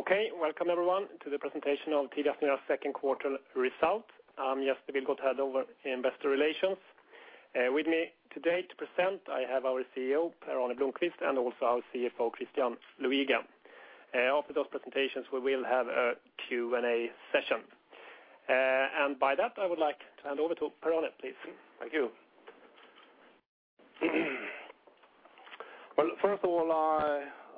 Okay. Welcome everyone to the presentation of Telia's second quarter result. I'm Jesper Vilgothead, Head of Investor Relations. With me today to present, I have our CEO, Per-Arne Blomquist, and also our CFO, Christian Luiga. After those presentations, we will have a Q&A session. By that, I would like to hand over to Per-Arne, please. Thank you. Well, first of all,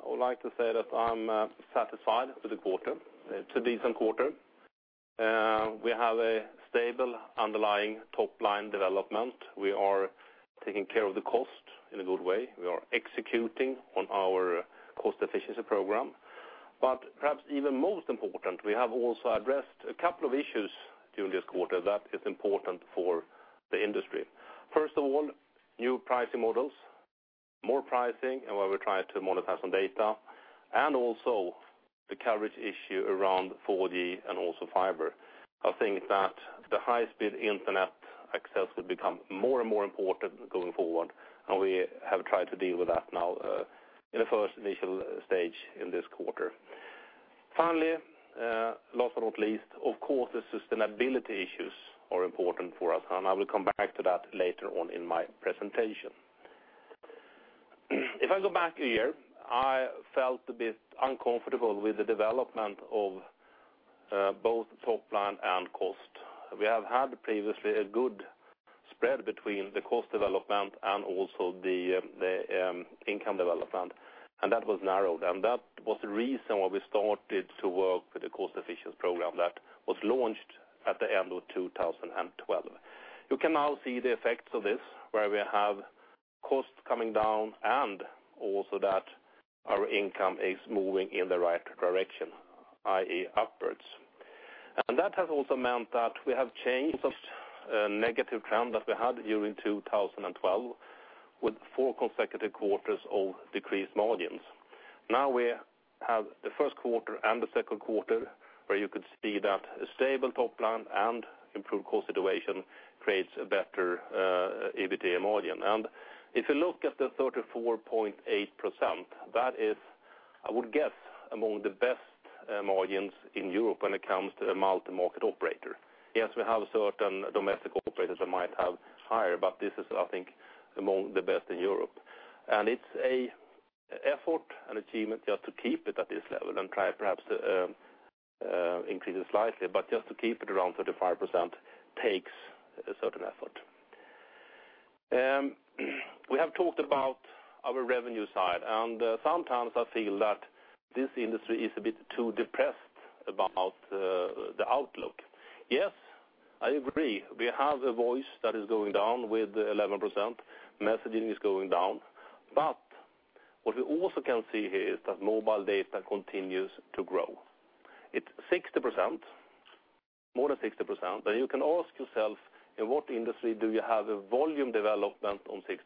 I would like to say that I'm satisfied with the quarter. It's a decent quarter. We have a stable underlying top-line development. We are taking care of the cost in a good way. We are executing on our cost efficiency program, but perhaps even most important, we have also addressed a couple of issues during this quarter that is important for the industry. First of all, new pricing models, more pricing, and where we try to monetize some data, and also the coverage issue around 4G and also fiber. I think that the high-speed internet access will become more and more important going forward, and we have tried to deal with that now in the first initial stage in this quarter. Finally, last but not least, of course, the sustainability issues are important for us, and I will come back to that later on in my presentation. If I go back a year, I felt a bit uncomfortable with the development of both top-line and cost. We have had previously a good spread between the cost development and also the income development, and that was narrowed. That was the reason why we started to work with the cost efficiency program that was launched at the end of 2012. You can now see the effects of this, where we have costs coming down and also that our income is moving in the right direction, i.e., upwards. That has also meant that we have changed that negative trend that we had during 2012 with four consecutive quarters of decreased margins. Now we have the first quarter and the second quarter, where you could see that a stable top-line and improved cost situation creates a better EBITDA margin. If you look at the 34.8%, that is, I would guess, among the best margins in Europe when it comes to the multi-market operator. Yes, we have certain domestic operators that might have higher, but this is, I think, among the best in Europe. It's a effort and achievement just to keep it at this level and try perhaps to increase it slightly. Just to keep it around 35% takes a certain effort. We have talked about our revenue side, and sometimes I feel that this industry is a bit too depressed about the outlook. Yes, I agree. We have a voice that is going down with 11%, messaging is going down, but what we also can see here is that mobile data continues to grow. It's 60%, more than 60%, but you can ask yourself, in what industry do you have a volume development on 60%?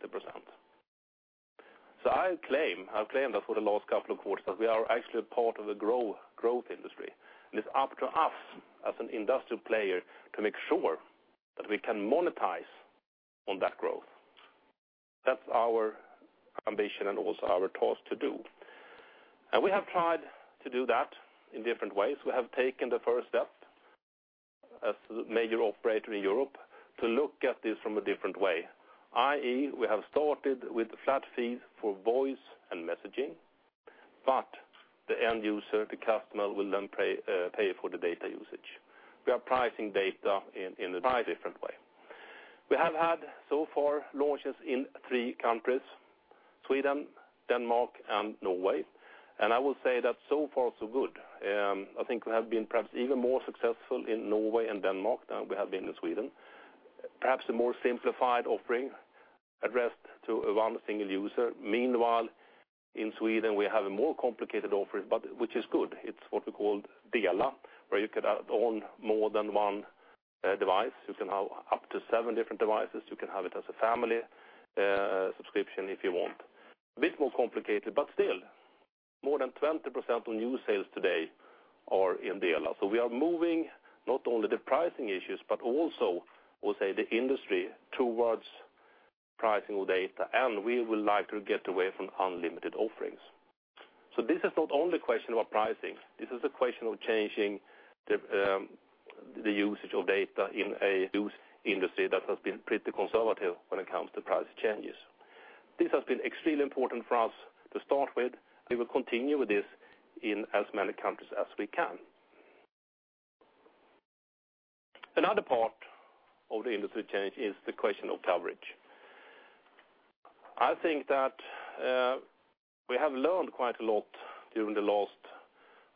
I claim, I've claimed that for the last couple of quarters, that we are actually part of a growth industry, and it's up to us as an industrial player to make sure that we can monetize on that growth. That's our ambition and also our task to do. We have tried to do that in different ways. We have taken the first step as a major operator in Europe to look at this from a different way, i.e. We have started with flat fees for voice and messaging, but the end user, the customer, will then pay for the data usage. We are pricing data in a slightly different way. We have had so far launches in three countries, Sweden, Denmark, and Norway. I will say that so far so good. I think we have been perhaps even more successful in Norway and Denmark than we have been in Sweden. Perhaps a more simplified offering addressed to one single user. Meanwhile, in Sweden, we have a more complicated offering, but which is good. It's what we call Dela, where you can add on more than one device. You can have up to seven different devices. You can have it as a family subscription if you want. A bit more complicated, but still, more than 20% of new sales today are in Dela. We are moving not only the pricing issues, but also, we'll say, the industry towards pricing of data, and we would like to get away from unlimited offerings. This is not only a question about pricing. This is a question of changing the usage of data in a use industry that has been pretty conservative when it comes to price changes. This has been extremely important for us to start with. We will continue with this in as many countries as we can. Another part of the industry change is the question of coverage. I think that we have learned quite a lot during the last,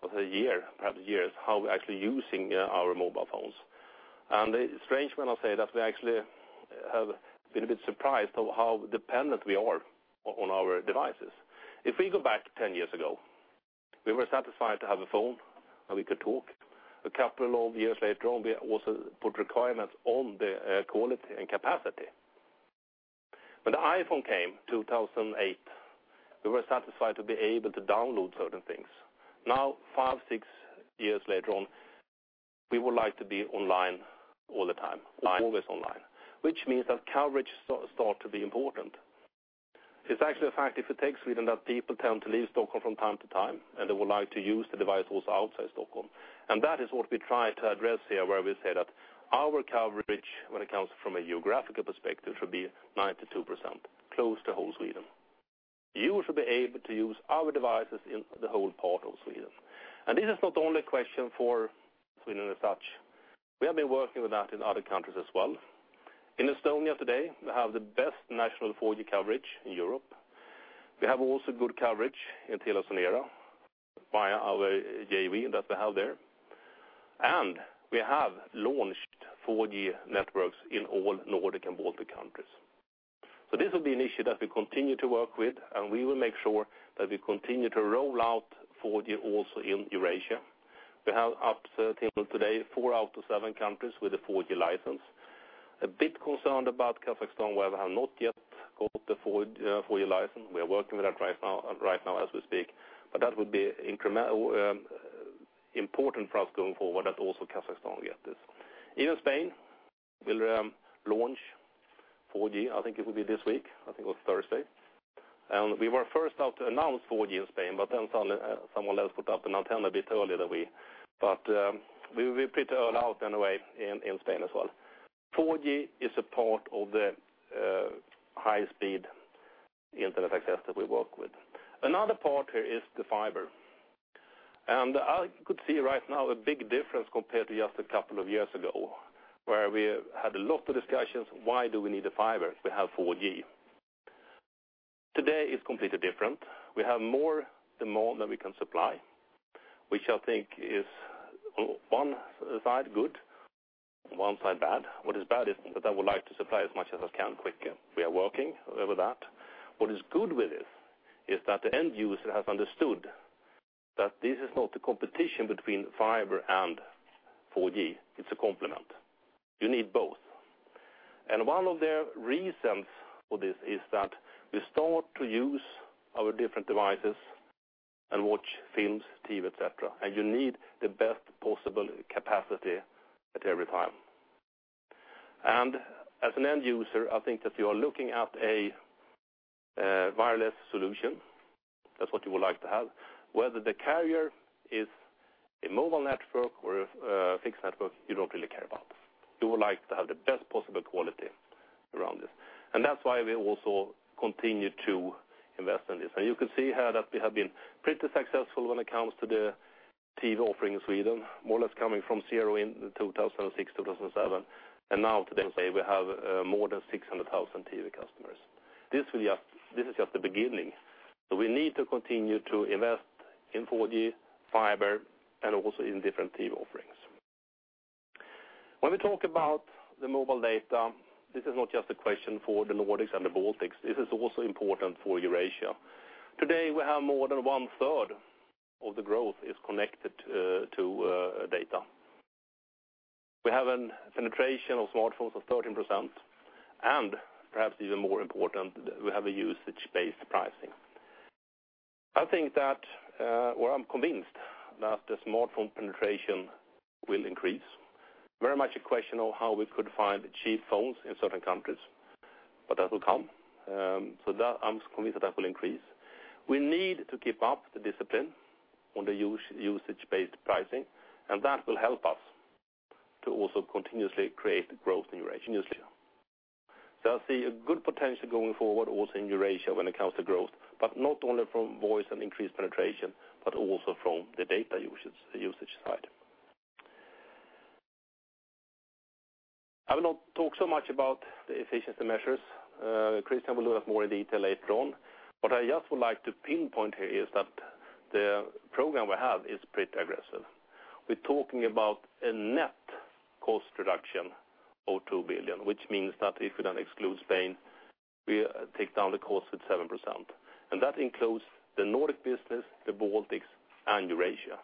I would say, year, perhaps years, how we're actually using our mobile phones. It's strange when I say that we actually have been a bit surprised of how dependent we are on our devices. If we go back 10 years ago, we were satisfied to have a phone, and we could talk. A couple of years later on, we also put requirements on the quality and capacity. When the iPhone came 2008, we were satisfied to be able to download certain things. Now, five, six years later on, we would like to be online all the time, always online, which means that coverage start to be important. It's actually a fact, if you take Sweden, that people tend to leave Stockholm from time to time, and they would like to use the device also outside Stockholm. That is what we try to address here, where we say that our coverage, when it comes from a geographical perspective, should be 92%, close to whole Sweden. You should be able to use our devices in the whole part of Sweden. This is not only a question for Sweden as such. We have been working with that in other countries as well. In Estonia today, we have the best national 4G coverage in Europe. We have also good coverage in TeliaSonera via our JV that we have there. We have launched 4G networks in all Nordic and Baltic countries. This will be an issue that we continue to work with, and we will make sure that we continue to roll out 4G also in Eurasia. We have up to table today, four out of seven countries with a 4G license. A bit concerned about Kazakhstan, where they have not yet got the 4G license. We are working with that right now as we speak. That would be important for us going forward, that also Kazakhstan will get this. In Spain, we'll launch 4G. I think it will be this week. I think it was Thursday. We were first out to announce 4G in Spain, but then someone else put up an antenna a bit earlier than we. We're pretty early out anyway in Spain as well. 4G is a part of the high-speed internet access that we work with. Another part here is the fiber. I could see right now a big difference compared to just a couple of years ago, where we had a lot of discussions, why do we need the fiber if we have 4G? Today it's completely different. We have more demand than we can supply, which I think is one side good, one side bad. What is bad is that I would like to supply as much as I can quickly. We are working with that. What is good with it is that the end user has understood that this is not a competition between fiber and 4G. It's a complement. You need both. One of the reasons for this is that we start to use our different devices and watch films, TV, et cetera, and you need the best possible capacity at every time. As an end user, I think that you are looking at a wireless solution. That's what you would like to have. Whether the carrier is a mobile network or a fixed network, you don't really care about. You would like to have the best possible quality around this. That's why we also continue to invest in this. You can see here that we have been pretty successful when it comes to the TV offering in Sweden, more or less coming from zero in 2006, 2007, and now today we have more than 600,000 TV customers. This is just the beginning. We need to continue to invest in 4G, fiber, and also in different TV offerings. When we talk about the mobile data, this is not just a question for the Nordics and the Baltics. This is also important for Eurasia. Today, we have more than one-third of the growth is connected to data. We have a penetration of smartphones of 13%, and perhaps even more important, we have a usage-based pricing. I think that, or I'm convinced that the smartphone penetration will increase. Very much a question of how we could find cheap phones in certain countries, but that will come. That, I'm convinced that will increase. We need to keep up the discipline on the usage-based pricing, that will help us to also continuously create growth in Eurasia. I see a good potential going forward also in Eurasia when it comes to growth, but not only from voice and increased penetration, but also from the data usage side. I will not talk so much about the efficiency measures. Christian Luiga will do that more in detail later on. I just would like to pinpoint here is that the program we have is pretty aggressive. We're talking about a net cost reduction of 2 billion, which means that if we exclude Spain, we take down the cost at 7%. That includes the Nordic business, the Baltics, and Eurasia.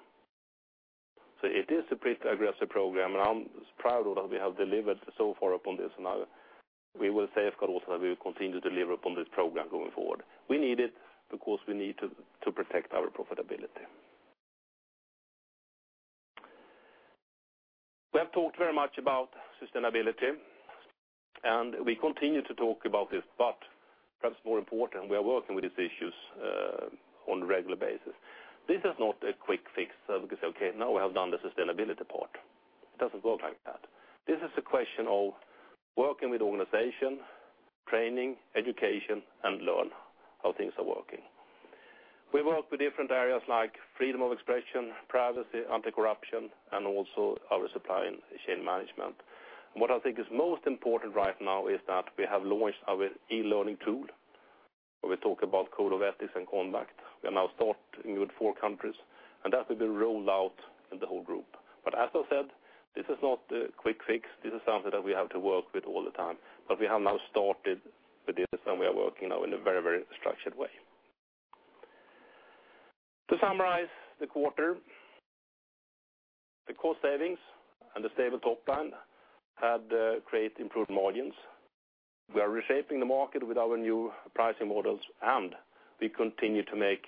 It is a pretty aggressive program, I'm proud of that we have delivered so far upon this. We will say, of course, that we will continue to deliver upon this program going forward. We need it because we need to protect our profitability. We have talked very much about sustainability, we continue to talk about this, but perhaps more important, we are working with these issues on a regular basis. This is not a quick fix, we can say, "Okay, now we have done the sustainability part." It doesn't work like that. This is a question of working with organization, training, education, and learn how things are working. We work with different areas like freedom of expression, privacy, anti-corruption, and also our supply chain management. I think is most important right now is that we have launched our e-learning tool, where we talk about code of ethics and conduct. We are now starting with four countries, that will be rolled out in the whole group. As I said, this is not a quick fix. This is something that we have to work with all the time. We have now started with this, we are working now in a very structured way. To summarize the quarter, the cost savings and the stable top line had great improved margins. We are reshaping the market with our new pricing models, we continue to make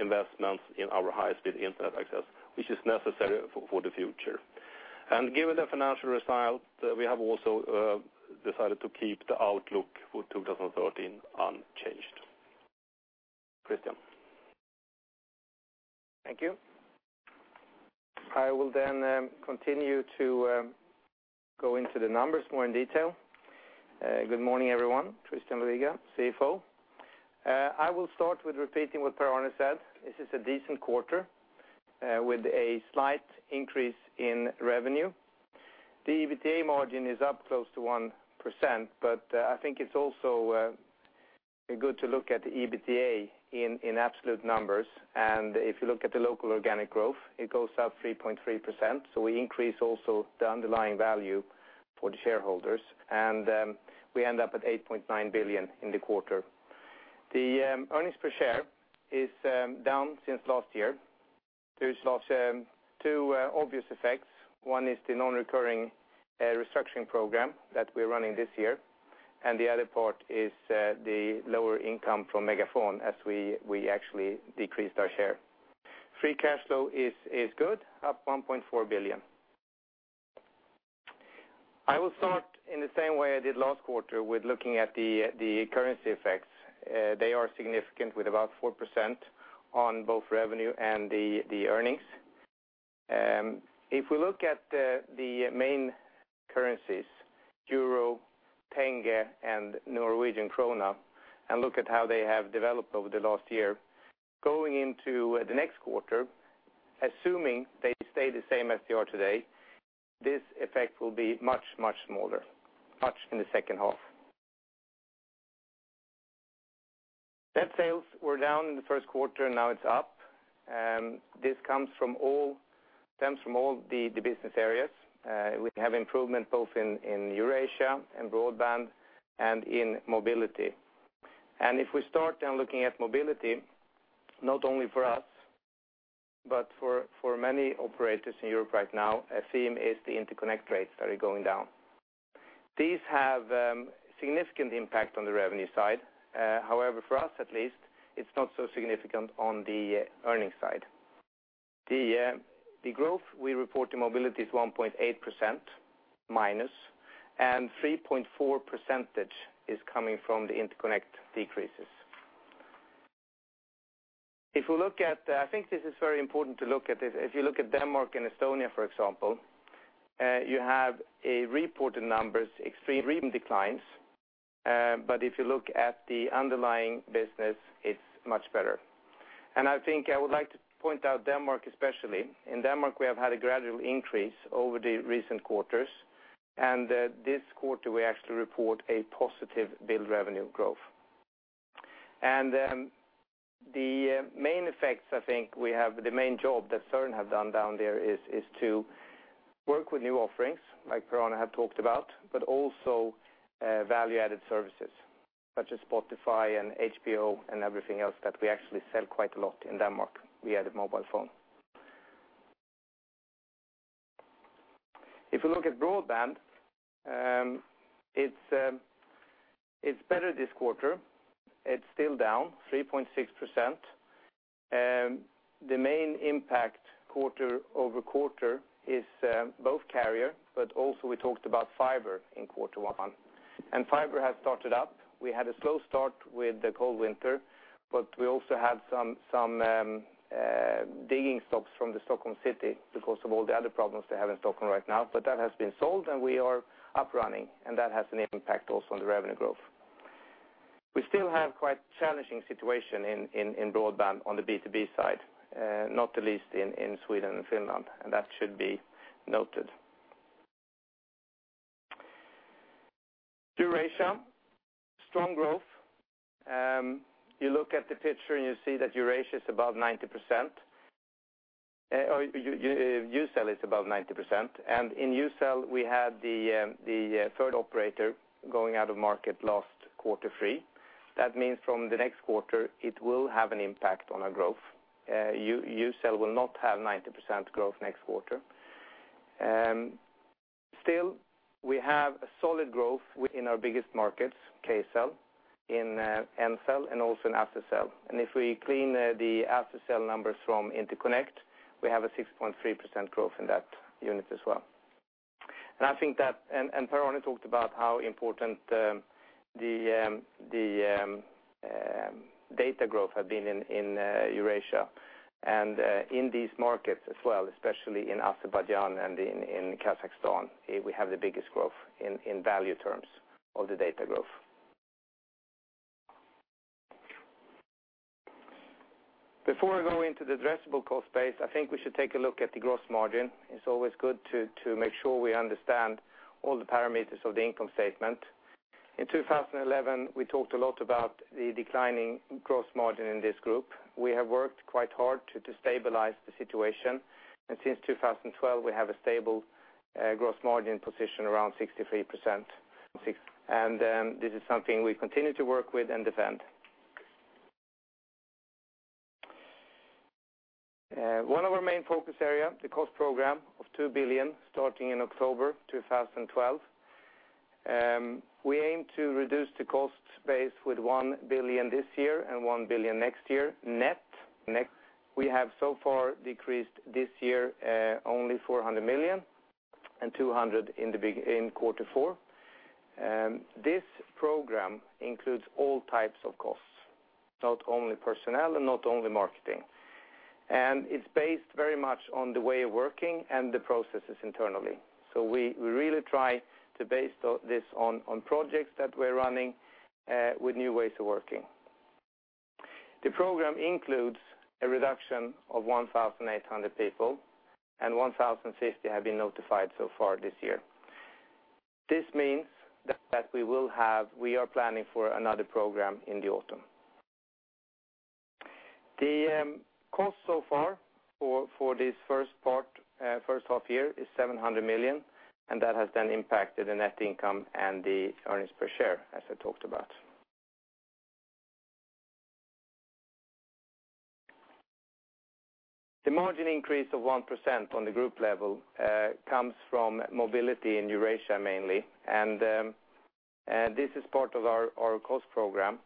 investments in our high-speed internet access, which is necessary for the future. Given the financial result, we have also decided to keep the outlook for 2013 unchanged. Christian Luiga. Thank you. I will continue to go into the numbers more in detail. Good morning, everyone. Christian Luiga, CFO. I will start with repeating what Per-Arne Blomquist said. This is a decent quarter with a slight increase in revenue. The EBITDA margin is up close to 1%, I think it's also good to look at the EBITDA in absolute numbers. If you look at the local organic growth, it goes up 3.3%. We increase also the underlying value for the shareholders, we end up at 8.9 billion in the quarter. The earnings per share is down since last year. There's two obvious effects. One is the non-recurring restructuring program that we're running this year, the other part is the lower income from MegaFon, as we actually decreased our share. Free cash flow is good, up 1.4 billion. I will start in the same way I did last quarter with looking at the currency effects. They are significant, with about 4% on both revenue and the earnings. If we look at the main currencies, euro, Tenge, and Norwegian kroner, and look at how they have developed over the last year, going into the next quarter, assuming they stay the same as they are today, this effect will be much smaller in the second half. Net sales were down in the first quarter, now it's up. This comes from all the business areas. We have improvement both in Eurasia and broadband and in mobility. If we start then looking at mobility, not only for us, but for many operators in Europe right now, a theme is the interconnect rates that are going down. These have significant impact on the revenue side. However, for us at least, it's not so significant on the earnings side. The growth we report in mobility is 1.8% minus, 3.4% is coming from the interconnect decreases. I think this is very important to look at this. If you look at Denmark and Estonia, for example, you have reported numbers, extreme declines, but if you look at the underlying business, it's much better. I think I would like to point out Denmark especially. In Denmark, we have had a gradual increase over the recent quarters, and this quarter we actually report a positive billed revenue growth. The main effects I think we have, the main job that Søren have done down there is to work with new offerings, like Per-Arne have talked about, but also value-added services such as Spotify and HBO, and everything else that we actually sell quite a lot in Denmark via the mobile phone. If you look at broadband, it's better this quarter. It's still down 3.6%. The main impact quarter-over-quarter is both carrier, but also we talked about fiber in quarter one. Fiber has started up. We had a slow start with the cold winter, but we also had some digging stops from the Stockholm City because of all the other problems they have in Stockholm right now. That has been sold, and we are up running, and that has an impact also on the revenue growth. We still have quite challenging situation in broadband on the B2B side, not the least in Sweden and Finland, and that should be noted. Eurasia, strong growth. You look at the picture and you see that Eurasia is above 90%, or Ucell is above 90%. In Ucell, we had the third operator going out of market last quarter, 3. That means from the next quarter it will have an impact on our growth. Ucell will not have 90% growth next quarter. Still, we have a solid growth within our biggest markets, Kcell, in Moldcell, and also in Azercell. If we clean the Azercell numbers from interconnect, we have a 6.3% growth in that unit as well. Per-Arne talked about how important the data growth have been in Eurasia and in these markets as well, especially in Azerbaijan and in Kazakhstan, we have the biggest growth in value terms of the data growth. Before I go into the addressable cost base, I think we should take a look at the gross margin. It's always good to make sure we understand all the parameters of the income statement. In 2011, we talked a lot about the declining gross margin in this group. We have worked quite hard to stabilize the situation, and since 2012 we have a stable gross margin position around 63%. This is something we continue to work with and defend. One of our main focus area, the cost program of 2 billion, starting in October 2012. We aim to reduce the cost base with 1 billion this year and 1 billion next year net. We have so far decreased this year, only 400 million and 200 in quarter four. This program includes all types of costs, not only personnel and not only marketing. It's based very much on the way of working and the processes internally. We really try to base this on projects that we're running with new ways of working. The program includes a reduction of 1,800 people, and 1,060 have been notified so far this year. This means that we are planning for another program in the autumn. The cost so far for this first half year is 700 million, and that has then impacted the net income and the earnings per share as I talked about. The margin increase of 1% on the group level, comes from mobility in Eurasia mainly, this is part of our cost program.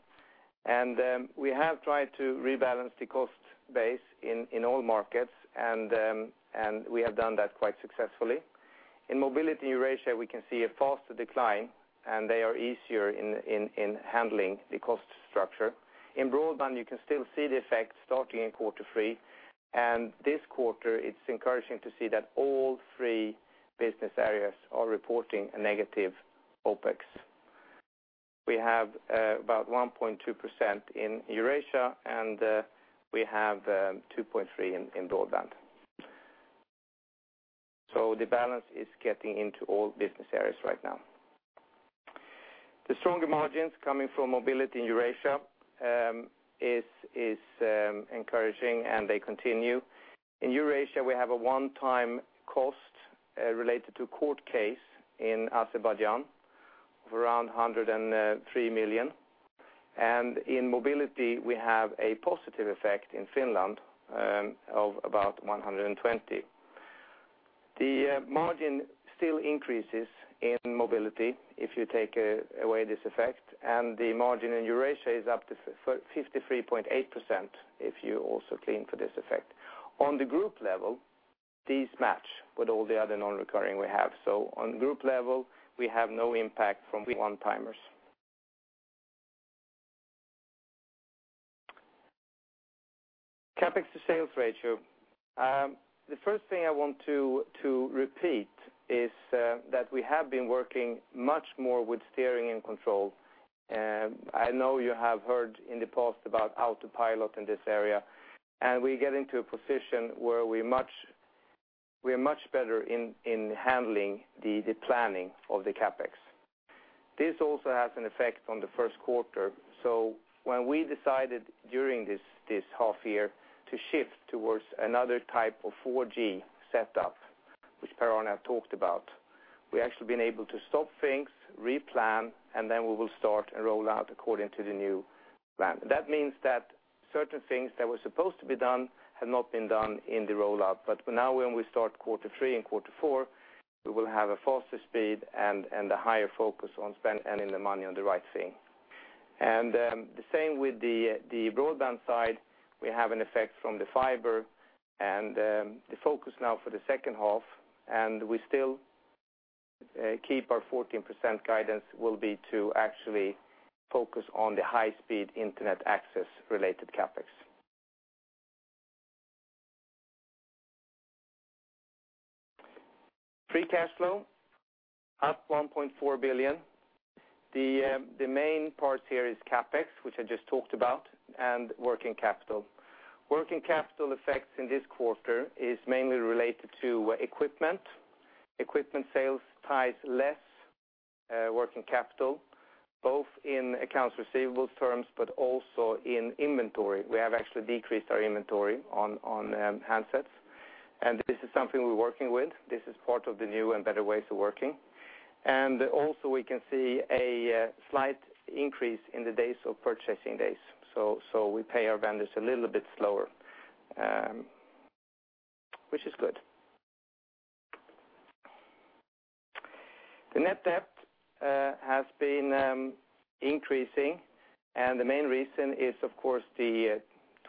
We have tried to rebalance the cost base in all markets and we have done that quite successfully. In mobility Eurasia, we can see a faster decline, and they are easier in handling the cost structure. In broadband, you can still see the effect starting in quarter three, and this quarter, it's encouraging to see that all three business areas are reporting a negative OpEx. We have about 1.2% in Eurasia, and we have 2.3% in broadband. The balance is getting into all business areas right now. The stronger margins coming from mobility in Eurasia is encouraging and they continue. In Eurasia, we have a one-time cost related to court case in Azerbaijan of around 103 million. In mobility, we have a positive effect in Finland of about 120. The margin still increases in mobility if you take away this effect, and the margin in Eurasia is up to 53.8% if you also clean for this effect. On the group level, these match with all the other non-recurring we have. On group level, we have no impact from one-timers. CapEx to sales ratio. The first thing I want to repeat is that we have been working much more with steering and control. I know you have heard in the past about autopilot in this area, and we get into a position where we are much better in handling the planning of the CapEx. This also has an effect on the first quarter. When we decided during this half year to shift towards another type of 4G setup, which Per-Arne have talked about, we've actually been able to stop things, replan, and then we will start a rollout according to the new plan. That means that certain things that were supposed to be done have not been done in the rollout. Now when we start quarter three and quarter four, we will have a faster speed and a higher focus on spending the money on the right thing. The same with the broadband side. We have an effect from the fiber and the focus now for the second half, and we still keep our 14% guidance, will be to actually focus on the high-speed internet access-related CapEx. Free cash flow up 1.4 billion. The main parts here is CapEx, which I just talked about, and working capital. Working capital effects in this quarter is mainly related to equipment. Equipment sales ties less working capital, both in accounts receivable terms, but also in inventory. We have actually decreased our inventory on handsets, and this is something we're working with. This is part of the new and better ways of working. Also we can see a slight increase in the days of purchasing days. We pay our vendors a little bit slower, which is good. The net debt has been increasing, and the main reason is of course the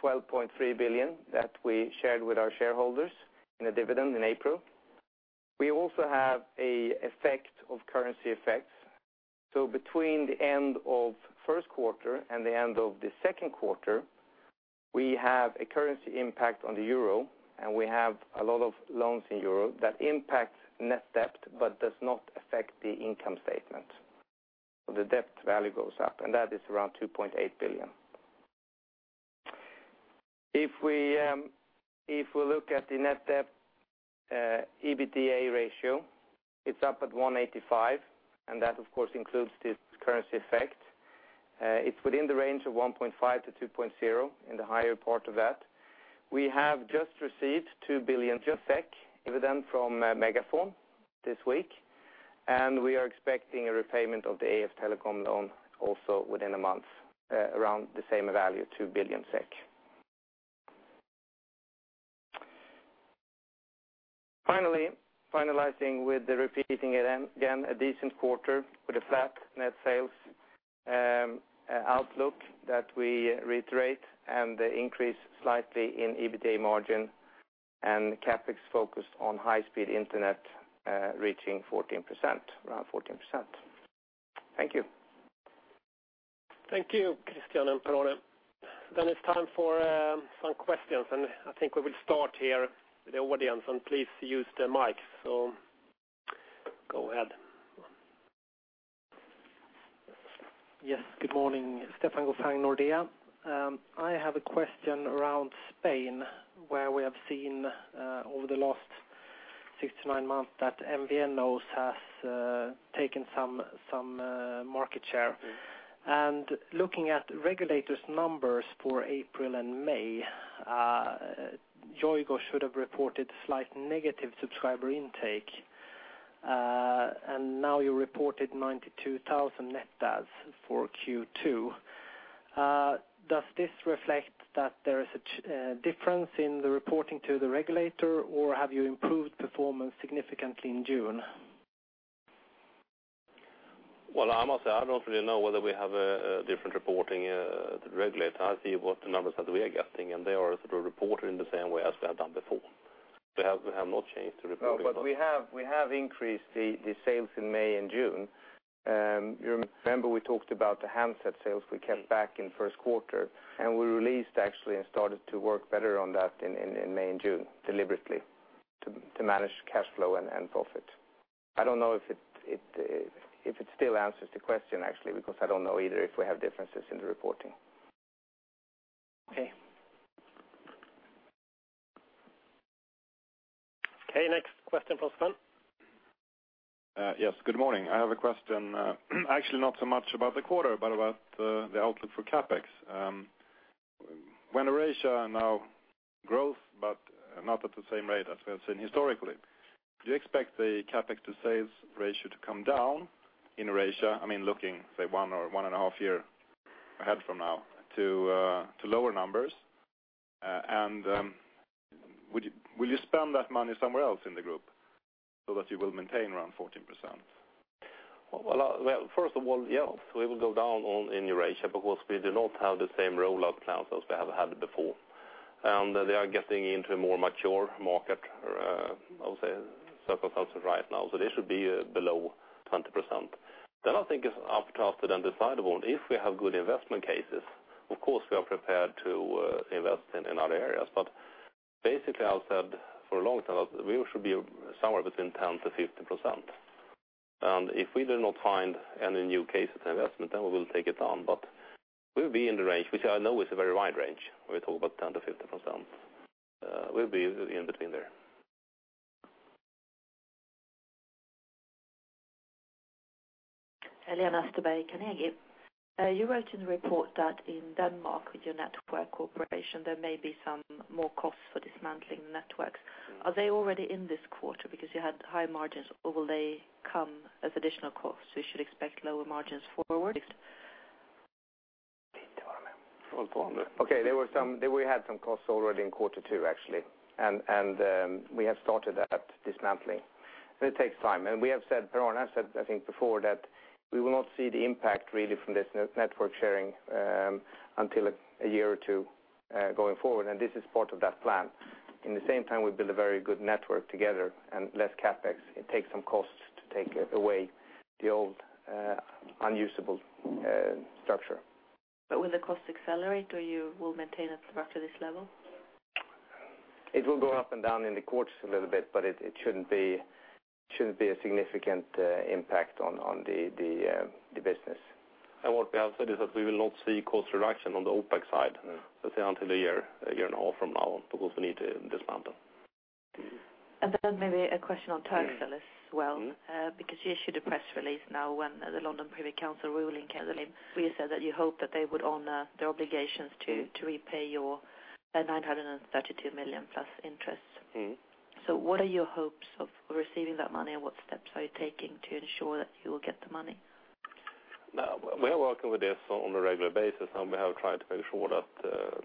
12.3 billion that we shared with our shareholders in a dividend in April. We also have a effect of currency effects. Between the end of first quarter and the end of the second quarter, we have a currency impact on the euro, and we have a lot of loans in Europe that impact net debt, but does not affect the income statement. The debt value goes up, and that is around 2.8 billion. If we look at the net debt EBITDA ratio, it's up at 185, and that of course includes this currency effect. It's within the range of 1.5-2.0, in the higher part of that. We have just received 2 billion dividend from MegaFon this week. We are expecting a repayment of the AF Telecoms loan also within a month, around the same value, 2 billion SEK. Finally, finalizing with the repeating again, a decent quarter with a flat net sales outlook that we reiterate and the increase slightly in EBITDA margin and CapEx focused on high-speed internet, reaching around 14%. Thank you. Thank you, Christian and Per-Arne. It's time for some questions, I think we will start here with the audience. Please use the mic. Go ahead. Yes, good morning. Stefan Gauffin, Nordea. I have a question around Spain, where we have seen over the last six to nine months that MVNOs has taken some market share. Looking at regulators' numbers for April and May, Yoigo should have reported slight negative subscriber intake. Now you reported 92,000 net adds for Q2. Does this reflect that there is a difference in the reporting to the regulator, or have you improved performance significantly in June? Well, I must say, I don't really know whether we have a different reporting to the regulator. I see what the numbers that we are getting, they are reported in the same way as they have done before. We have not changed the reporting. We have increased the sales in May and June. You remember we talked about the handset sales we kept back in the first quarter, we released actually and started to work better on that in May and June deliberately to manage cash flow and profit. I don't know if it still answers the question actually, because I don't know either if we have differences in the reporting. Okay. Okay, next question, please. Yes, good morning. I have a question, actually not so much about the quarter, but about the outlook for CapEx. When Eurasia now grows, but not at the same rate as we have seen historically, do you expect the CapEx to sales ratio to come down in Eurasia? I mean, looking, say, one or one and a half year ahead from now to lower numbers. Will you spend that money somewhere else in the group so that you will maintain around 14%? Well, first of all, yes, we will go down in Eurasia because we do not have the same rollout plans as we have had before. They are getting into a more mature market, I would say, circa right now. So they should be below 20%. I think it's after that definable. If we have good investment cases, of course, we are prepared to invest in other areas. Basically, I've said for a long time, we should be somewhere between 10%-15%. If we do not find any new cases of investment, we will take it down, but we'll be in the range, which I know is a very wide range. We talk about 10%-15%. We'll be in between there. Lena Österberg, Carnegie. You wrote in the report that in Denmark with your network cooperation, there may be some more costs for dismantling networks. Are they already in this quarter because you had high margins, or will they come as additional costs, so you should expect lower margins forward? Okay, we had some costs already in quarter 2, actually. We have started that dismantling. It takes time. Per-Arne has said, I think, before that we will not see the impact really from this network sharing until a year or two going forward, and this is part of that plan. In the same time, we build a very good network together and less CapEx. It takes some costs to take away the old unusable structure. Will the cost accelerate, or you will maintain it roughly this level? It will go up and down in the quarters a little bit. It shouldn't be a significant impact on the business. What we have said is that we will not see cost reduction on the OpEx side, let's say until a year and a half from now, because we need to dismantle. Maybe a question on Telecel as well, because you issued a press release now when the London Privy Council ruling came. You said that you hope that they would honor their obligations to repay your 932 million plus interest. What are your hopes of receiving that money, and what steps are you taking to ensure that you will get the money? We are working with this on a regular basis, and we have tried to make sure that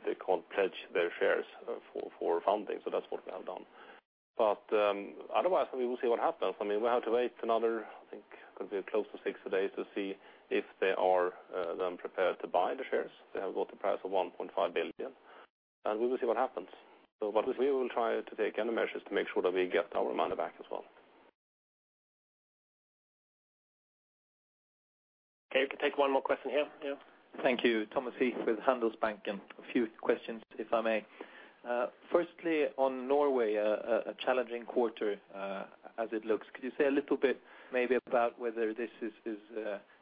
they can't pledge their shares for funding, so that's what we have done. Otherwise, we will see what happens. We have to wait another, I think, could be close to 60 days to see if they are then prepared to buy the shares. They have got the price of 1.5 billion, and we will see what happens. We will try to take any measures to make sure that we get our money back as well. Okay, we can take one more question here. Yeah. Thank you. Thomas Heath with Handelsbanken. A few questions, if I may. Firstly, on Norway, a challenging quarter as it looks. Could you say a little bit maybe about whether this is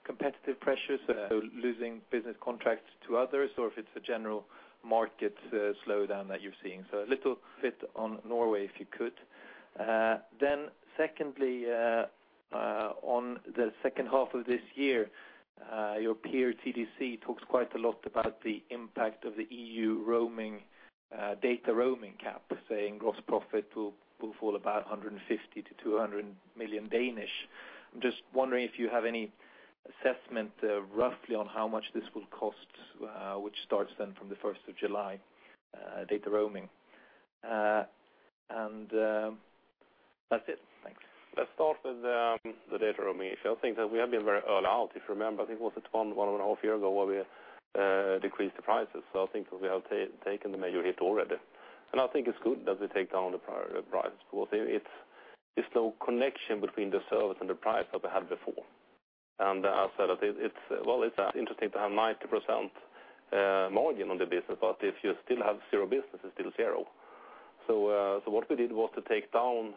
competitive pressures, so losing business contracts to others, or if it's a general market slowdown that you're seeing? A little bit on Norway, if you could. Secondly, on the second half of this year Your peer, TDC, talks quite a lot about the impact of the EU data roaming cap, saying gross profit will fall about 150 million DKK-200 million DKK. I'm just wondering if you have any assessment, roughly, on how much this will cost, which starts from the 1st of July, data roaming. That's it. Thanks. Let's start with the data roaming. I think that we have been very early out. If you remember, I think it was one and a half years ago where we decreased the prices. I think that we have taken the major hit already. I think it's good that we take down the prices, because there's no connection between the service and the price that we had before. As I said, it's interesting to have 90% margin on the business, but if you still have zero business, it's still zero. What we did was to take down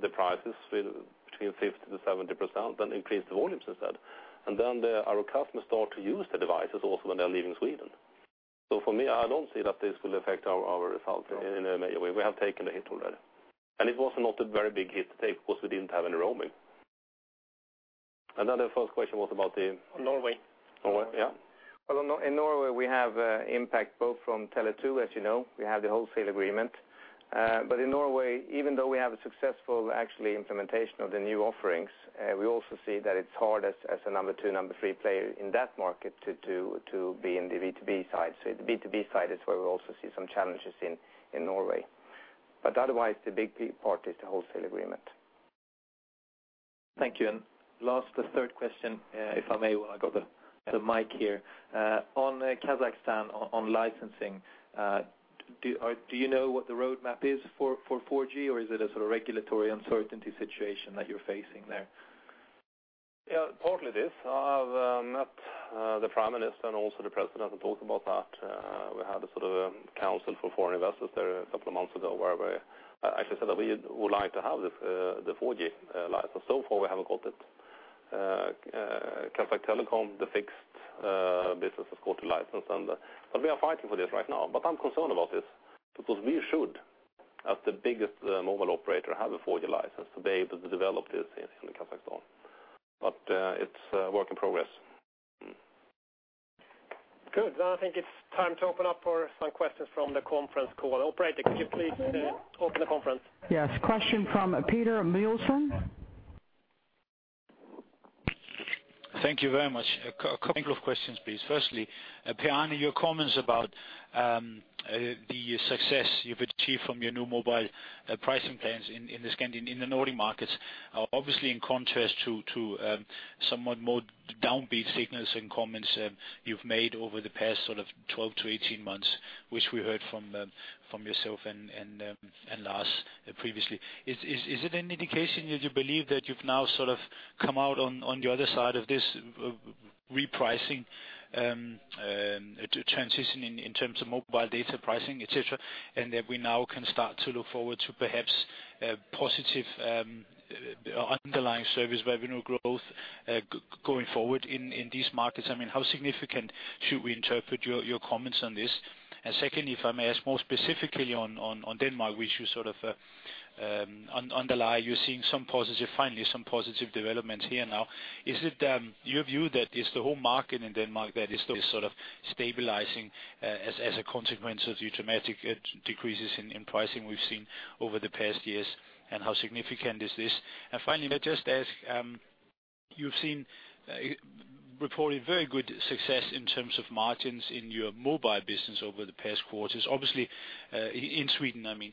the prices between 50%-70%, then increase the volumes instead. Our customers start to use the devices also when they're leaving Sweden. For me, I don't see that this will affect our results in a major way. We have taken the hit already. It was not a very big hit to take because we didn't have any roaming. The first question was about the- Norway. Norway, yeah. Well, in Norway, we have impact both from Tele2, as you know. We have the wholesale agreement. In Norway, even though we have a successful implementation of the new offerings, we also see that it's hard as a number 2, number 3 player in that market to be in the B2B side. The B2B side is where we also see some challenges in Norway. Otherwise, the big part is the wholesale agreement. Thank you. Last, the third question, if I may, while I got the mic here. On Kazakhstan, on licensing, do you know what the roadmap is for 4G, or is it a sort of regulatory uncertainty situation that you're facing there? Yeah, partly it is. I've met the prime minister and also the president and talked about that. We had a council for foreign investors there a couple of months ago where we actually said that we would like to have the 4G license. Far, we haven't got it. Kazakhtelecom, the fixed business, has got the license, and we are fighting for this right now. I'm concerned about this, because we should, as the biggest mobile operator, have a 4G license to be able to develop this in Kazakhstan. It's a work in progress. Good. I think it's time to open up for some questions from the conference call. Operator, could you please open the conference? Yes. Question from Peter Nielsen. Thank you very much. A couple of questions, please. Firstly, Per-Arne, your comments about the success you've achieved from your new mobile pricing plans in the Nordic markets, obviously in contrast to somewhat more downbeat signals and comments you've made over the past 12-18 months, which we heard from yourself and Lars previously. Is it an indication that you believe that you've now come out on the other side of this repricing transition in terms of mobile data pricing, et cetera, and that we now can start to look forward to perhaps positive underlying service revenue growth going forward in these markets? How significant should we interpret your comments on this? Secondly, if I may ask more specifically on Denmark, which you sort of underlie, you're seeing finally some positive developments here now. Is it your view that it's the whole market in Denmark that is sort of stabilizing as a consequence of the dramatic decreases in pricing we've seen over the past years? How significant is this? Finally, may I just ask, you've seen reported very good success in terms of margins in your mobile business over the past quarters. Obviously in Sweden, I mean.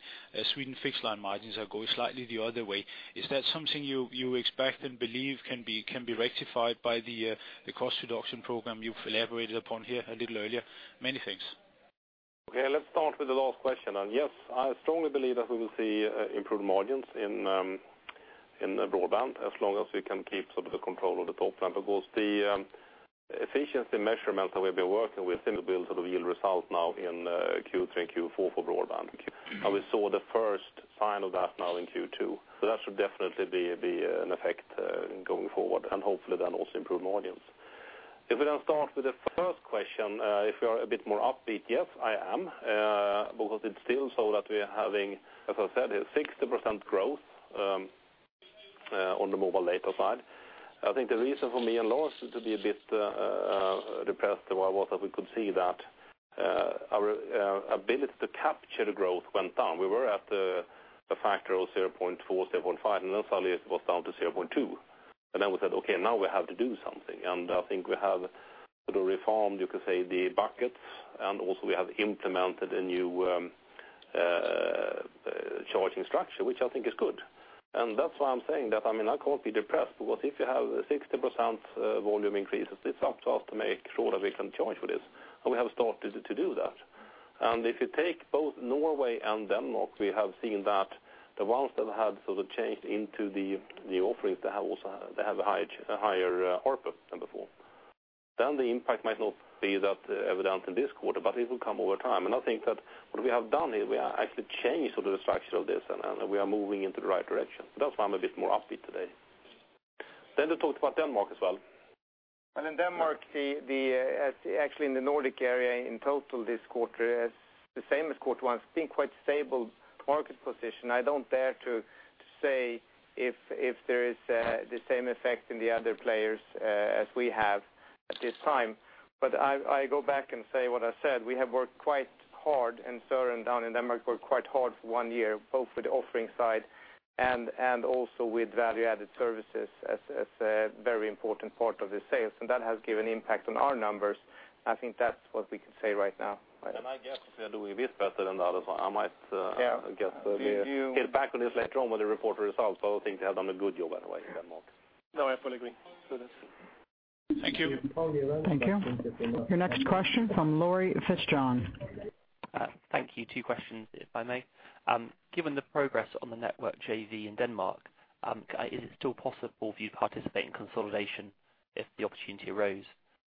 Sweden fixed line margins are going slightly the other way. Is that something you expect and believe can be rectified by the cost reduction program you've elaborated upon here a little earlier? Many thanks. Okay. Let's start with the last question. Yes, I strongly believe that we will see improved margins in broadband as long as we can keep the control of the top line. The efficiency measurements that we've been working with seem to be able to yield results now in Q3 and Q4 for broadband. We saw the first sign of that now in Q2. That should definitely be an effect going forward, and hopefully then also improved margins. If we start with the first question, if we are a bit more upbeat, yes, I am. It's still so that we are having, as I said, 60% growth on the mobile data side. I think the reason for me and Lars to be a bit depressed a while was that we could see that our ability to capture the growth went down. We were at a factor of 0.4, 0.5, suddenly it was down to 0.2. We said, "Okay, now we have to do something." I think we have reformed, you could say, the buckets, and also we have implemented a new charging structure, which I think is good. That's why I'm saying that, I can't be depressed because if you have 60% volume increases, it's up to us to make sure that we can charge for this, and we have started to do that. If you take both Norway and Denmark, we have seen that the ones that have changed into the new offerings, they have a higher ARPA than before. The impact might not be that evident in this quarter, but it will come over time. I think that what we have done here, we are actually changed the structure of this, and we are moving into the right direction. That's why I'm a bit more upbeat today. To talk about Denmark as well. In Denmark, actually in the Nordic area in total this quarter, the same as quarter one, it's been quite stable market position. I don't dare to say if there is the same effect in the other players as we have at this time. I go back and say what I said. We have worked quite hard, and Søren down in Denmark worked quite hard for one year, both with the offering side and also with value-added services as a very important part of the sales. That has given impact on our numbers, I think that's what we can say right now. I guess we are doing a bit better than the others. Yeah I guess get back on this later on when they report the results. I think they have done a good job, by the way, in Denmark. No, I fully agree. Thank you. Thank you. Your next question from Laurie Fitzjohn-Sykes. Thank you. Two questions, if I may. Given the progress on the network JV in Denmark, is it still possible for you to participate in consolidation if the opportunity arose?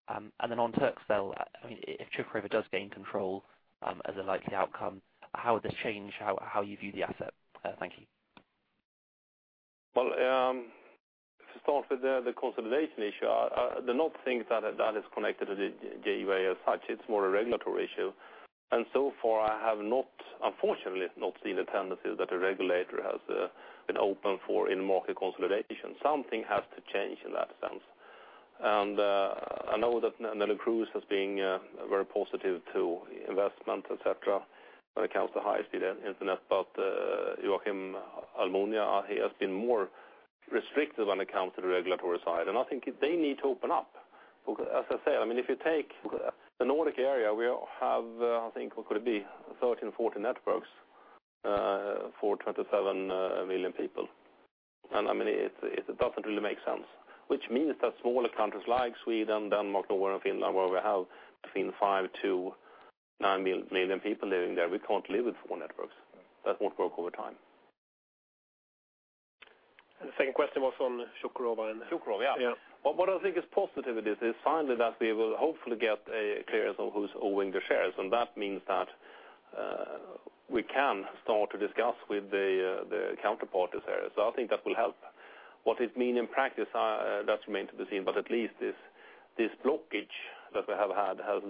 On Turkcell, if Turkcell does gain control as a likely outcome, how would this change how you view the asset? Thank you. Well, to start with the consolidation issue, I do not think that is connected to the JVA as such. It's more a regulatory issue. So far I have unfortunately not seen a tendency that the regulator has been open for in market consolidation. Something has to change in that sense. I know that Neelie Kroes has been very positive to investment, et cetera, when it comes to high-speed internet, but Joaquín Almunia has been more restrictive when it comes to the regulatory side, and I think they need to open up. As I said, if you take the Nordic area, we have, I think, what could it be? 13, 14 networks for 27 million people. It doesn't really make sense. Which means that smaller countries like Sweden, Denmark, Norway, and Finland, where we have between 5 to 9 million people living there, we can't live with four networks. That won't work over time. The second question was on Turkcell. Turkcell, yeah. Yeah. What I think is positive with this is finally that we will hopefully get a clearance on who's owing the shares, and that means that we can start to discuss with the counterparties there. I think that will help. What it mean in practice, that remains to be seen, but at least this blockage that we have had has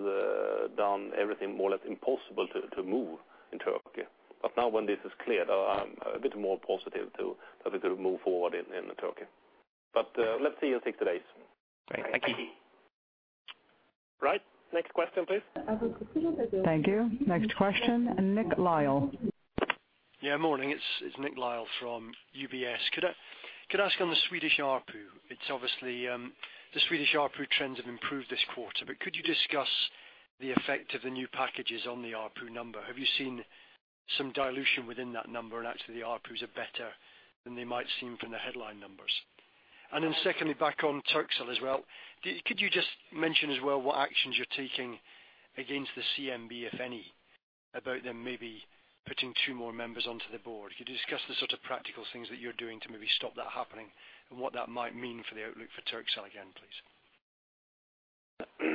done everything more or less impossible to move in Turkey. Now when this is cleared, I'm a bit more positive that we could move forward in Turkey. Let's see in six to eight. Great. Thank you. Right. Next question, please. Thank you. Next question, Nick Lyall. Yeah, morning. It's Nick Lyall from UBS. Could I ask on the Swedish ARPU, the Swedish ARPU trends have improved this quarter, but could you discuss the effect of the new packages on the ARPU number? Have you seen some dilution within that number and actually the ARPUs are better than they might seem from the headline numbers? Then secondly, back on Turkcell as well. Could you just mention as well what actions you're taking against the CMB, if any, about them maybe putting 2 more members onto the board? Could you discuss the sort of practical things that you're doing to maybe stop that happening and what that might mean for the outlook for Turkcell again, please? Well,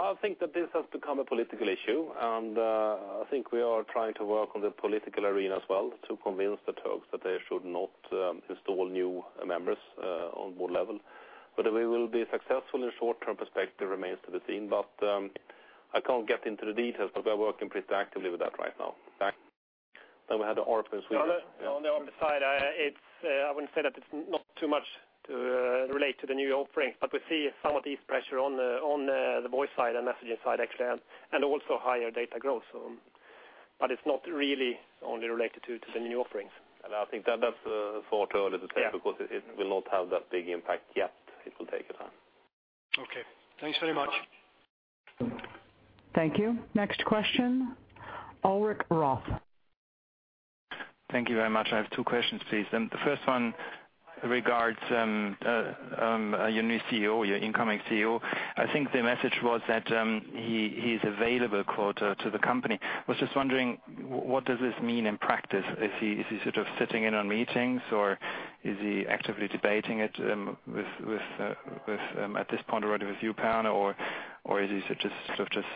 I think that this has become a political issue, and I think we are trying to work on the political arena as well to convince the Turks that they should not install new members on board level. Whether we will be successful in short-term perspective remains to be seen. I can't get into the details, but we're working pretty actively with that right now. Back. We had the ARPU in Sweden. On the ARPU side, I wouldn't say that it's not too much to relate to the new offerings, but we see some of this pressure on the voice side and messaging side actually, and also higher data growth. It's not really only related to the new offerings. I think that that's far too early to say. Yeah It will not have that big impact yet. It will take time. Okay. Thanks very much. Thank you. Next question, Ulrich Rathe. Thank you very much. I have two questions, please. The first one regards your new CEO, your incoming CEO. I think the message was that he is available, quote, to the company. Was just wondering, what does this mean in practice? Is he sort of sitting in on meetings, or is he actively debating it at this point already with you, Per, or is he sort of just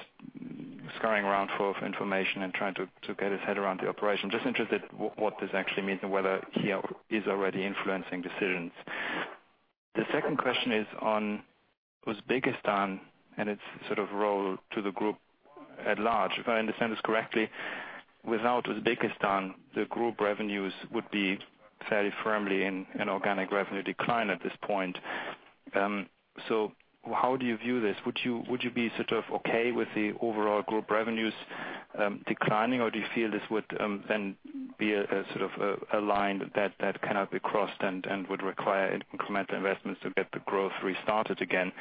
scurrying around for information and trying to get his head around the operation? Just interested what this actually means and whether he is already influencing decisions. The second question is on Uzbekistan and its sort of role to the group at large. If I understand this correctly, without Uzbekistan, the group revenues would be fairly firmly in organic revenue decline at this point. How do you view this? Would you be sort of okay with the overall group revenues declining, or do you feel this would then be a sort of a line that cannot be crossed and would require incremental investments to get the growth restarted again?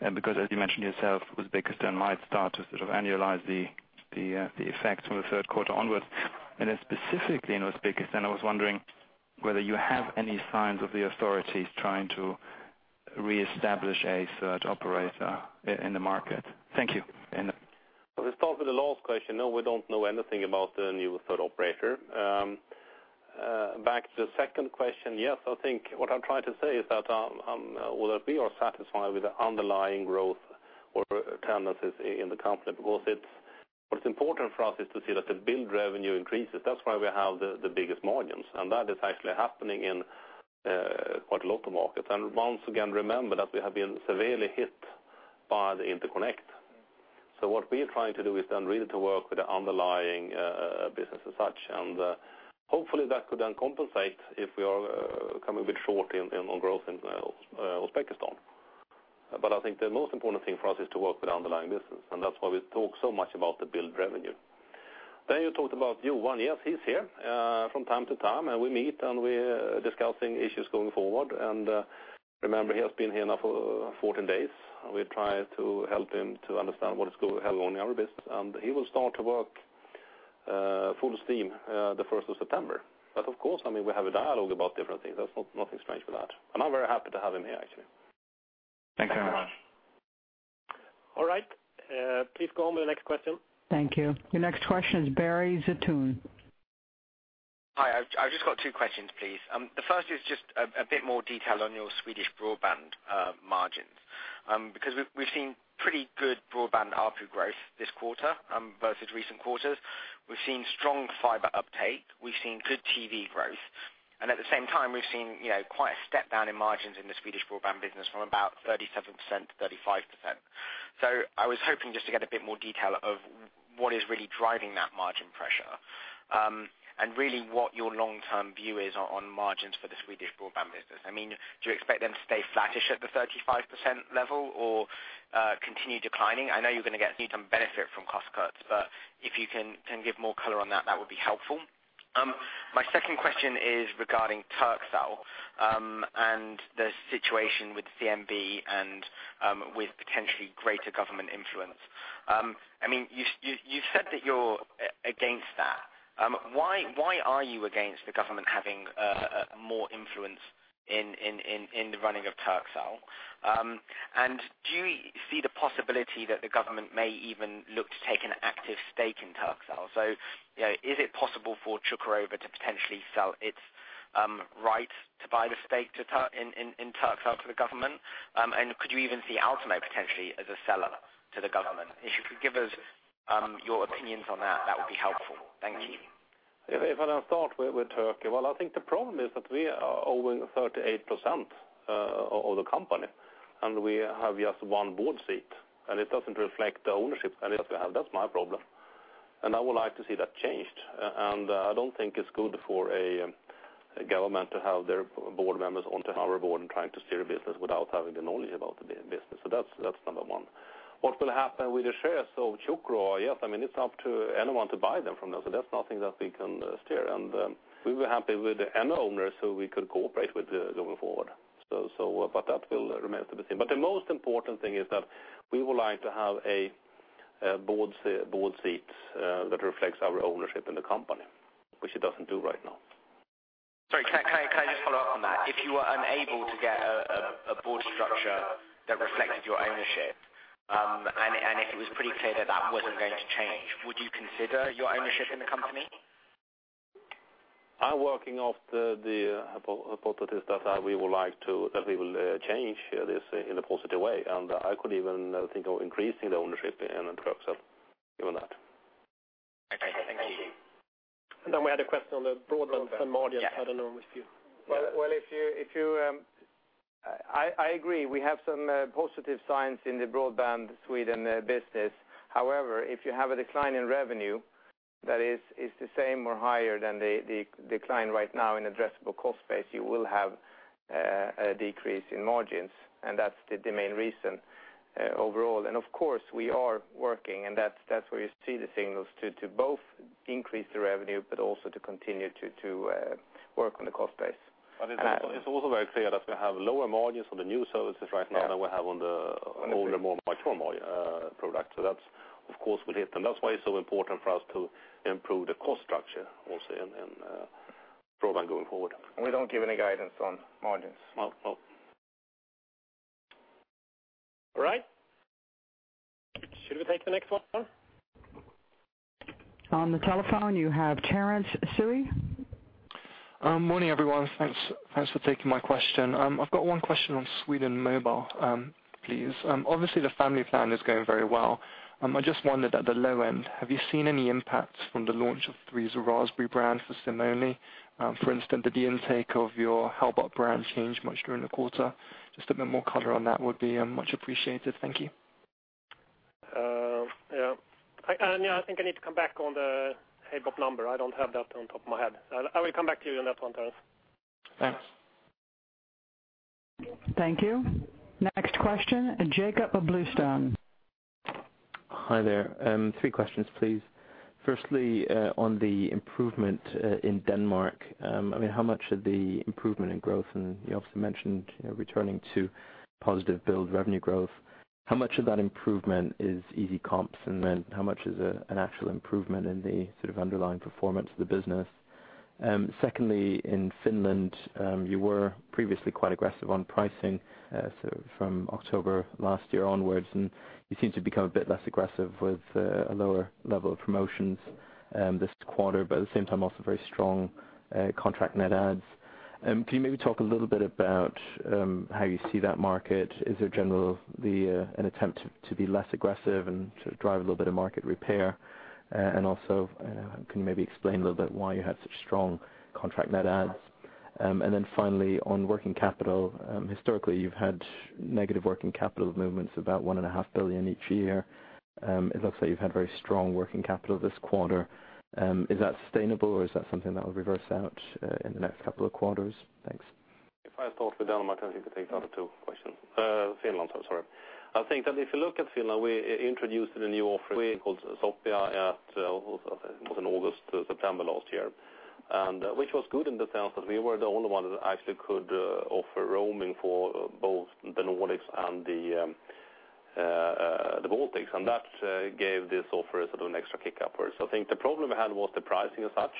As you mentioned yourself, Uzbekistan might start to sort of annualize the effects from the third quarter onwards. Specifically in Uzbekistan, I was wondering whether you have any signs of the authorities trying to reestablish a third operator in the market. Thank you. To start with the last question, no, we don't know anything about a new third operator. Back to the second question, yes, I think what I'm trying to say is that whether we are satisfied with the underlying growth or tendencies in the company, what's important for us is to see that the billed revenue increases. That's where we have the biggest margins, and that is actually happening in quite a lot of markets. Once again, remember that we have been severely hit by the interconnect. What we are trying to do is then really to work with the underlying business as such, and hopefully that could then compensate if we are coming a bit short on growth in Uzbekistan. I think the most important thing for us is to work with underlying business, and that's why we talk so much about the billed revenue. You talked about Johan. Yes, he's here from time to time, and we meet, and we're discussing issues going forward. Remember, he has been here now for 14 days, and we try to help him to understand what is going on in our business. He will start to work full steam the 1st of September. Of course, we have a dialogue about different things. There's nothing strange with that. I'm very happy to have him here, actually. Thank you very much. All right. Please go on with the next question. Thank you. Your next question is Barry Zeitoune. Hi. I've just got two questions, please. The first is just a bit more detail on your Swedish broadband margins. We've seen pretty good broadband ARPU growth this quarter, versus recent quarters. We've seen strong fiber uptake, we've seen good TV growth, and at the same time, we've seen quite a step down in margins in the Swedish broadband business from about 37% to 35%. I was hoping just to get a bit more detail of what is really driving that margin pressure. Really what your long-term view is on margins for the Swedish broadband business. Do you expect them to stay flattish at the 35% level or continue declining? I know you're going to get some benefit from cost cuts, if you can give more color on that would be helpful. My second question is regarding Turkcell, and the situation with CMB and with potentially greater government influence. You've said that you're against that. Why are you against the government having more influence in the running of Turkcell? Do you see the possibility that the government may even look to take an active stake in Turkcell? Is it possible for Çukurova to potentially sell its right to buy the stake in Turkcell to the government? Could you even see Altimo potentially as a seller to the government? If you could give us your opinions on that would be helpful. Thank you. If I start with Turkey, well, I think the problem is that we are owing 38% of the company, and we have just one board seat, and it doesn't reflect the ownership that we have. That's my problem. I would like to see that changed. I don't think it's good for a government to have their board members onto our board and trying to steer a business without having the knowledge about the business. That's number one. What will happen with the shares of Çukurova? It's up to anyone to buy them from us. That's nothing that we can steer. We were happy with any owner who we could cooperate with going forward. That will remain to be seen. The most important thing is that we would like to have a board seat that reflects our ownership in the company, which it doesn't do right now. Sorry, can I just follow up on that? If you were unable to get a board structure that reflected your ownership, and if it was pretty clear that that wasn't going to change, would you consider your ownership in the company? I'm working off the hypothesis that we will change this in a positive way, and I could even think of increasing the ownership in Turkcell, given that. Okay. Thank you. We had a question on the broadband margin. I don't know who. Well, I agree, we have some positive signs in the broadband Sweden business. However, if you have a decline in revenue that is the same or higher than the decline right now in addressable cost base, you will have a decrease in margins, and that's the main reason overall. We are working, and that's where you see the signals to both increase the revenue, but also to continue to work on the cost base. It's also very clear that we have lower margins on the new services right now than we have on the older, more mature products. That of course will hit, and that's why it's so important for us to improve the cost structure also in broadband going forward. We don't give any guidance on margins. No. All right. Should we take the next one? On the telephone, you have Terence Tsui. Morning, everyone. Thanks for taking my question. I've got one question on Sweden Mobile, please. Obviously, the family plan is going very well. I just wondered at the low end, have you seen any impact from the launch of 3's Hallon brand for SIM-only? For instance, did the intake of your Halebop brand change much during the quarter? Just a bit more color on that would be much appreciated. Thank you. Yeah. I think I need to come back on the Halebop number. I don't have that on top of my head. I will come back to you on that one, Terence. Thanks. Thank you. Next question, Jacob of Bluestem. Hi there. Three questions, please. Firstly, on the improvement in Denmark, how much of the improvement in growth, you also mentioned returning to positive billed revenue growth. How much of that improvement is easy comps, then how much is an actual improvement in the sort of underlying performance of the business? Secondly, in Finland, you were previously quite aggressive on pricing, so from October last year onwards, you seem to become a bit less aggressive with a lower level of promotions this quarter. At the same time, also very strong contract net adds. Can you maybe talk a little bit about how you see that market? Is there generally an attempt to be less aggressive and to drive a little bit of market repair? Also, can you maybe explain a little bit why you had such strong contract net adds? Finally, on working capital. Historically, you've had negative working capital movements, about 1.5 billion each year. It looks like you've had very strong working capital this quarter. Is that sustainable or is that something that will reverse out in the next couple of quarters? Thanks. If I start with Denmark, you can take the other two questions. Finland, sorry. I think that if you look at Finland, we introduced a new offering called Sopiva. It was in August or September last year, which was good in the sense that we were the only ones that actually could offer roaming for both the Nordics and the Baltics. That gave this offer a sort of an extra kick-up. I think the problem we had was the pricing as such.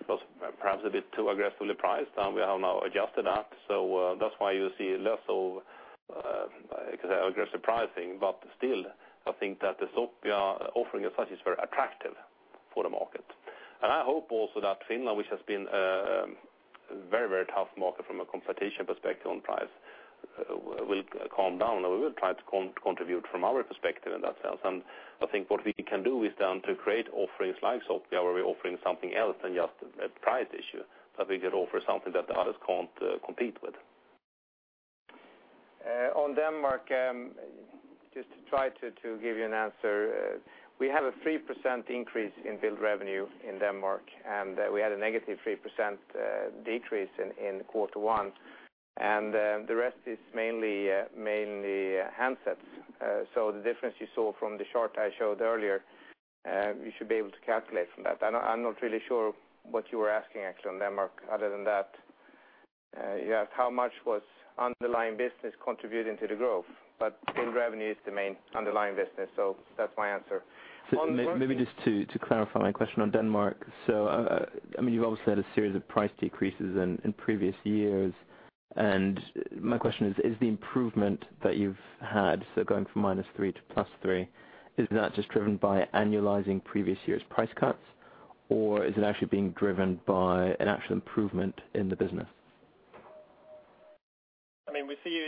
It was perhaps a bit too aggressively priced, and we have now adjusted that. That's why you see less of aggressive pricing. Still, I think that the Sopiva offering as such is very attractive for the market. I hope also that Finland, which has been a very tough market from a competition perspective on price, will calm down, and we will try to contribute from our perspective in that sense. I think what we can do is then to create offerings like Sopiva, where we're offering something else than just a price issue, that we could offer something that the others can't compete with. On Denmark, just to try to give you an answer. We have a 3% increase in billed revenue in Denmark, and we had a negative 3% decrease in quarter one. The rest is mainly handsets. The difference you saw from the chart I showed earlier, you should be able to calculate from that. I'm not really sure what you were asking actually on Denmark, other than that. You asked how much was underlying business contributing to the growth, but billed revenue is the main underlying business. That's my answer. Maybe just to clarify my question on Denmark. You've obviously had a series of price decreases in previous years, and my question is the improvement that you've had, going from minus 3 to plus 3, is that just driven by annualizing previous years' price cuts, or is it actually being driven by an actual improvement in the business? We see,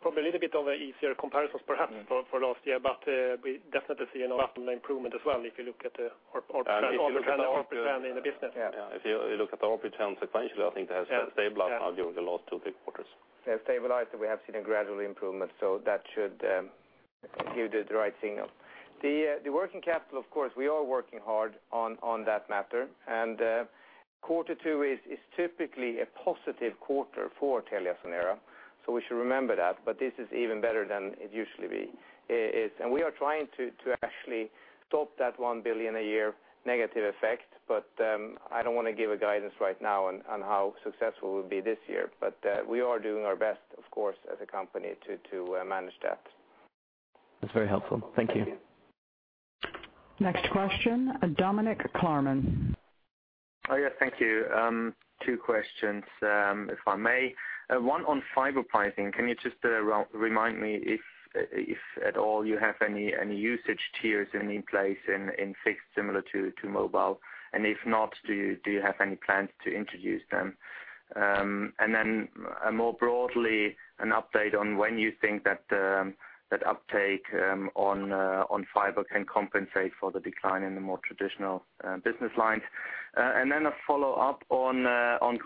probably a little bit of easier comparisons perhaps for last year, but we definitely see an improvement as well, if you look at the ARPU trend in the business. If you look at the ARPU trends sequentially, I think they have stabilized now during the last two big quarters. They have stabilized. We have seen a gradual improvement. That should give you the right signal. The working capital, of course, we are working hard on that matter. Quarter two is typically a positive quarter for TeliaSonera. We should remember that, but this is even better than it usually is. We are trying to actually stop that 1 billion a year negative effect. I don't want to give a guidance right now on how successful we'll be this year. We are doing our best, of course, as a company to manage that. That's very helpful. Thank you. Next question, Dominick Karmann. Oh, yeah. Thank you. Two questions, if I may. One on fiber pricing. Can you just remind me if at all you have any usage tiers in place in fixed similar to mobile? If not, do you have any plans to introduce them? More broadly, an update on when you think that uptake on fiber can compensate for the decline in the more traditional business lines. A follow-up on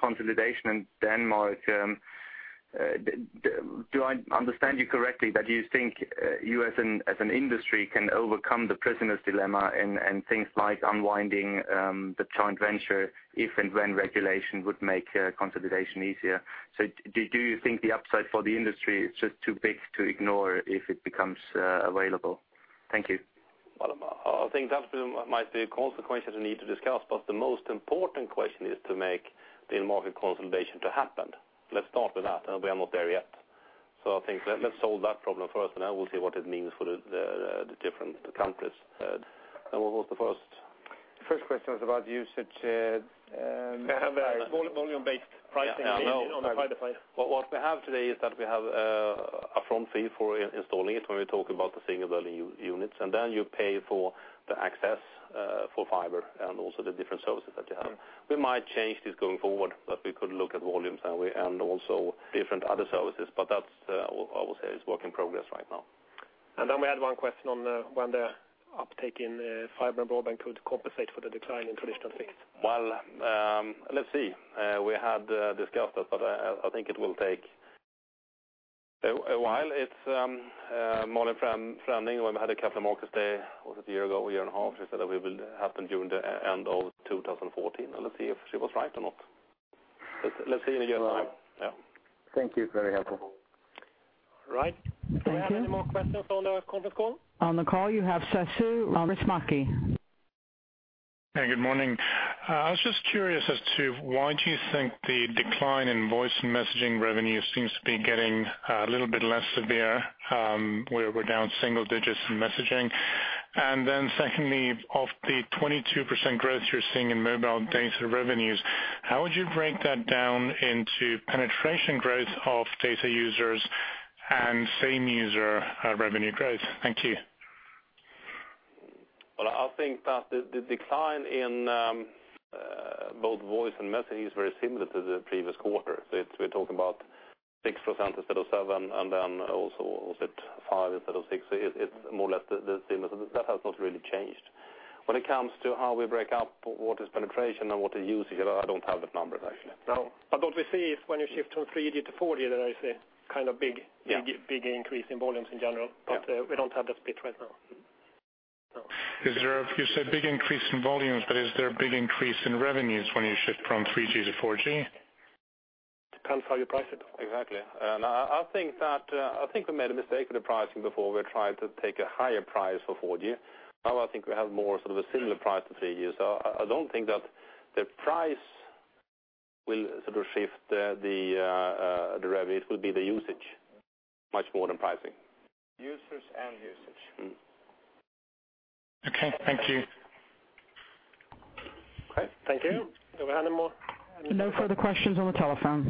consolidation in Denmark. Do I understand you correctly that you think you as an industry can overcome the prisoner's dilemma in things like unwinding the joint venture if and when regulation would make consolidation easier? Do you think the upside for the industry is just too big to ignore if it becomes available? Thank you. Well, I think that might be a consequence we need to discuss, the most important question is to make the market consolidation to happen. Let's start with that, we are not there yet. I think let's solve that problem first, then we'll see what it means for the different countries. What was the first? The first question was about usage. Volume-based pricing on the fiber side. What we have today is that we have a front fee for installing it, when we talk about the single building units, and then you pay for the access for fiber and also the different services that you have. We might change this going forward, but we could look at volumes and also different other services. That I would say is work in progress right now. We had one question on when the uptake in fiber and broadband could compensate for the decline in traditional fixed. Well, let's see. We had discussed that, but I think it will take a while. Malin Frenning, when we had the Capital Markets Day, was it a year ago, a year and a half, she said that it will happen during the end of 2014, and let's see if she was right or not. Let's see in a year's time. Thank you. Very helpful. All right. Thank you. Do we have any more questions on the conference call? On the call, you have Seshu Ramachary. Hey, good morning. I was just curious as to why do you think the decline in voice and messaging revenue seems to be getting a little bit less severe, where we're down single digits in messaging. Secondly, of the 22% growth you're seeing in mobile data revenues, how would you break that down into penetration growth of data users and same user revenue growth? Thank you. Well, I think that the decline in both voice and messaging is very similar to the previous quarter. We're talking about 6% instead of seven, also was it five instead of six. It's more or less the same. That has not really changed. When it comes to how we break up what is penetration and what is usage, I don't have that numbers actually. No. What we see is when you shift from 3G to 4G, there is a big increase in volumes in general. Yeah. We don't have that split right now. You said big increase in volumes, but is there a big increase in revenues when you shift from 3G to 4G? Depends how you price it. Exactly. I think we made a mistake with the pricing before. We tried to take a higher price for 4G. Now I think we have more sort of a similar price to 3G. I don't think that the price will sort of shift the revenue. It will be the usage much more than pricing. Users and usage. Okay. Thank you. Okay. Thank you. Do we have any more? No further questions on the telephone.